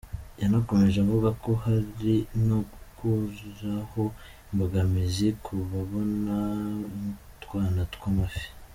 Yanakomeje avuga ko hari no gukuraho imbogamizi ku kubona utwana tw’amafi.